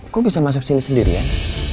kok bisa masuk sini sendirian